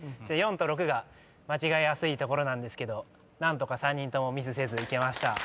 ４と６が間違えやすいところですけど何とか３人ともミスせずいけました。